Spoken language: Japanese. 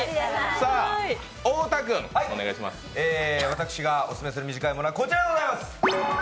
私がオススメする短いものはこちらでございます。